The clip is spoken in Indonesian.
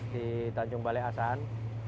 di tanjung balai asaan